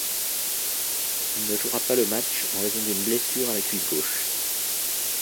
Il ne jouera pas le match en raison d'une blessure à la cuisse gauche.